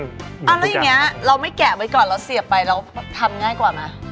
แล้วอย่างนี้เราไม่แกะไว้ก่อนเราเสียบไปเราทำง่ายกว่าไหม